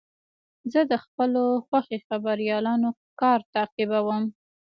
زه د خپلو خوښې خبریالانو کار تعقیبوم.